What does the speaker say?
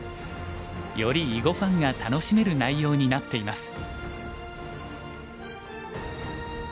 より囲碁ファンが楽しめる内容になっています。